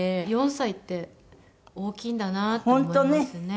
４歳って大きいんだなって思いますね。